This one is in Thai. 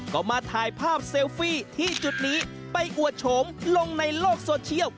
ก็มาถ่ายภาพเซลฟี่ที่จุดนี้ไปอวดโฉมลงในโลกโซเชียล